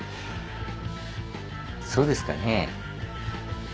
そうですかね？